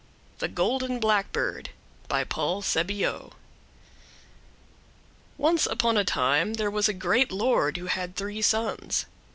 THE GOLDEN BLACKBIRD By Paul Sébillot Once upon a time there was a great lord who had three sons.